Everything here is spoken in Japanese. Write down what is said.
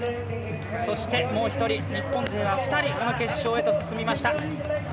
そして、もう１人日本勢は２人この決勝へと進みました。